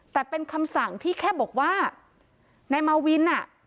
แต่เป็นคำสั่งที่แค่บอกว่านายมาวินอ่ะ